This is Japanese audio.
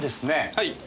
はい。